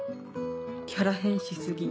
キャラ変し過ぎ。